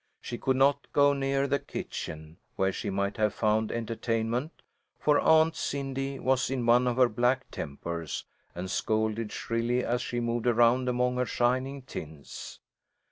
She could not go near the kitchen, where she might have found entertainment, for Aunt Cindy was in one of her black tempers, and scolded shrilly as she moved around among her shining tins.